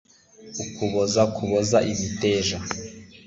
kuboza kuboza imiteja